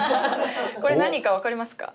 これ何か分かりますか？